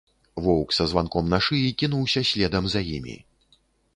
Воўк са званком на шыі кінуўся следам за імі.